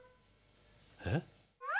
えっ？